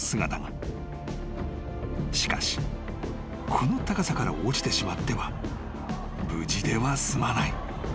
［しかしこの高さから落ちてしまっては無事では済まない］